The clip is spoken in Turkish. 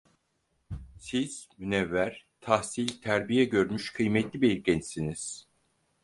Siz münevver, tahsil, terbiye görmüş, kıymetli bir gençsiniz.